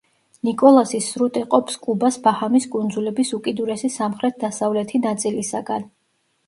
ნიკოლასის სრუტე ყოფს კუბას ბაჰამის კუნძულების უკიდურესი სამხრეთ-დასავლეთი ნაწილისაგან.